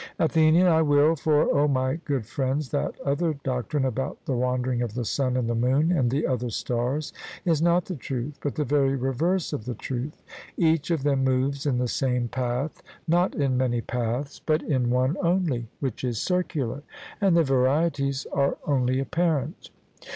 ATHENIAN: I will. For, O my good friends, that other doctrine about the wandering of the sun and the moon and the other stars is not the truth, but the very reverse of the truth. Each of them moves in the same path not in many paths, but in one only, which is circular, and the varieties are only apparent.